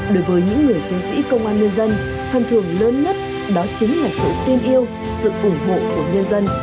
đối với những người chiến sĩ công an nhân dân thân thường lớn nhất đó chính là sự tên yêu sự ủng hộ của nhân dân